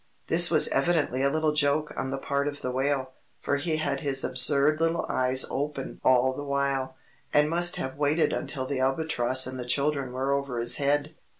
This was evidently a little joke on the part of the Whale, for he had his absurd little eyes open all the while, and must have waited until the Albatross and the children were over his head.